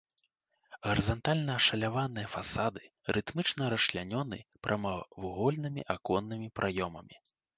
Гарызантальна ашаляваныя фасады рытмічна расчлянёны прамавугольнымі аконнымі праёмамі.